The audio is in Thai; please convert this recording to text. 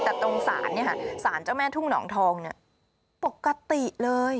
แต่ตรงศาลเนี่ยค่ะสารเจ้าแม่ทุ่งหนองทองเนี่ยปกติเลย